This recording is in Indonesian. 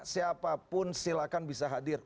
siapapun silahkan bisa hadir